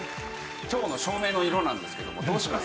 今日の照明の色なんですけどもどうします？